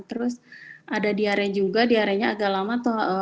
terus ada diare juga diarenya agak lama